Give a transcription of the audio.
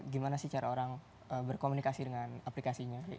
gimana sih cara orang berkomunikasi dengan aplikasinya